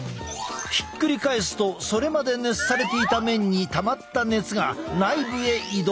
ひっくり返すとそれまで熱されていた面にたまった熱が内部へ移動。